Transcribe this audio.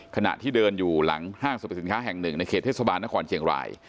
ขณะที่เดินอยู่หลังห้างสรรพสินค้าแห่งหนึ่งในเขตเทศบาลนครเชียงราย